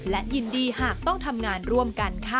และยินดีหากต้องทำงานร่วมกันค่ะ